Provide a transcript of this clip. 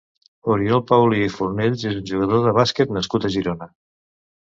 Oriol Paulí i Fornells és un jugador de bàsquet nascut a Girona.